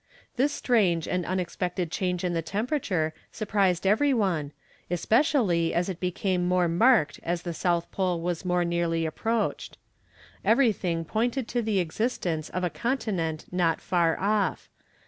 This strange and unexpected change in the temperature surprised every one, especially as it became more marked as the South Pole was more nearly approached. Everything pointed to the existence of a continent not far off.